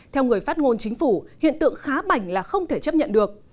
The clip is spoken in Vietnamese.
theo người phát ngôn chính phủ hiện tượng khá bảnh là không thể chấp nhận được